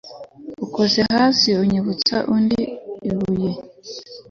ukoze hasi yibutsa undi ibuye